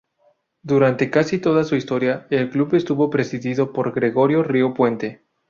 Durante casi toda su historia, el club estuvo presidido por Gregorio Río Puente.